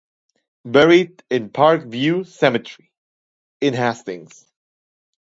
Buried in Parkview Cemetery, in Hastings.